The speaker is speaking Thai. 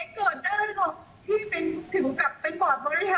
ไม่ได้คนจะอยู่วงกายมันทำมันไม่มีเรื่องแบบนี้แล้วรู้สึกว่าเองเกิดได้หรอก